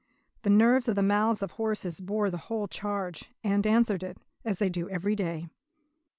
The nerves of the mouths of horses bore the whole charge and answered it, as they do every day.